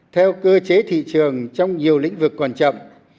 theo cơ chế thị trường trong nhiều lĩnh vực quan trọng